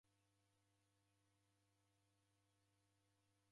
Kwabonyere makosa.